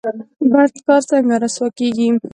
بد کار څنګه رسوا کیږي؟